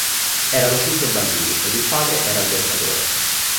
Erano cinque bambini ed il padre era albergatore.